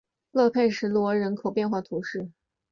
勒佩什罗人口变化图示